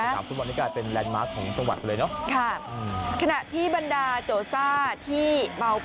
นักฟุตบอลนี่กลายเป็นแลนด์มาร์คของจังหวัดเลยเนอะ